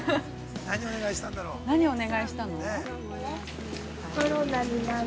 何をお願いしたの？